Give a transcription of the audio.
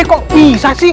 kok bisa sih